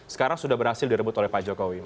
sekarang sudah berhasil direbut oleh pak jokowi